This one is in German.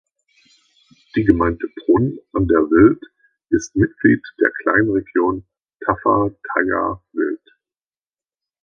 Die Gemeinde Brunn an der Wild ist Mitglied der Kleinregion Taffa-Thaya-Wild.